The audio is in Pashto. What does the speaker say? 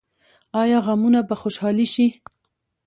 آیا غمونه به خوشحالي شي؟